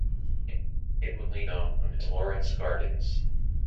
It was formerly known as Lawrence Gardens.